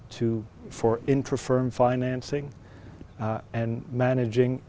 cho việc phát triển của các nhà hàng